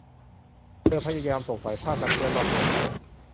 เธอพยายามส่งสายผ้ากันเปื้อนรอบตัวเขา